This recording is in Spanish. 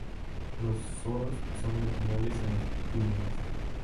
Los soros son marginales en las pínnulas.